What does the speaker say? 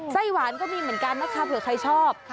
ไส้หวานก็มีเหมือนกันนะคะเผื่อใครชอบ